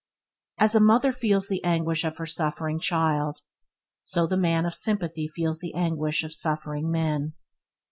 As a mother feels the anguish of her suffering child, so the man of sympathy feels the anguish of suffering men.